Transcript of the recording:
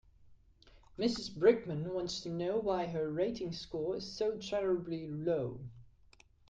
Mrs Brickman wants to know why her rating score is so terribly low.